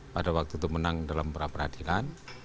pada waktu itu menang dalam peradilan